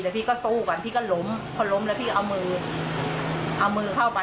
พี่ก็สู้กันพี่ก็ล้มพอล้มแล้วพี่เอามือเอามือเข้าไป